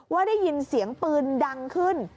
ว่าได้ยินเสียงปืนดังขึ้น